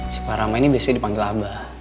si pak rama ini biasanya dipanggil abah